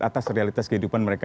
atas realitas kehidupan mereka